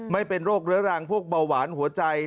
ไม่เป็นโรคเรื้อรังพวกเบาหวานหัวใจ